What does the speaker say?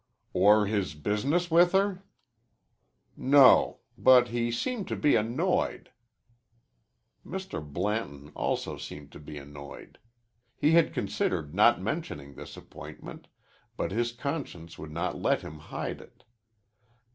"Or his business with her?" "No. But he seemed to be annoyed." Mr. Blanton also seemed to be annoyed. He had considered not mentioning this appointment, but his conscience would not let him hide it.